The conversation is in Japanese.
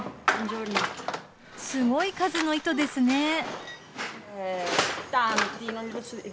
すごい数の糸ですね。